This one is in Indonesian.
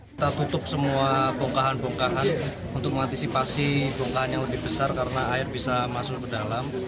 kita tutup semua bongkahan bongkahan untuk mengantisipasi bongkahan yang lebih besar karena air bisa masuk ke dalam